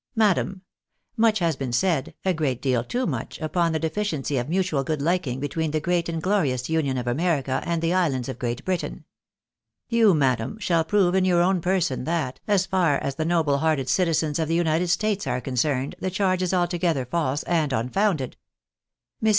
Madam, — Much has been said, a great deal too much, upon the deficiency of mutual good liking between the great and glorious Union of America and the Islands of Great Britain. You, madam, shall prove, in your own person, that, as far as the noble hearted citizens of the United States are concerned, the charge is altogether false and unfounded. Mrs.